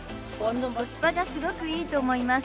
コスパがすごくいいと思います。